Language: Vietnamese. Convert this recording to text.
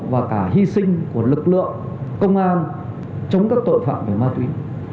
và cả hy sinh của lực lượng công an chống các tội phạm về ma túy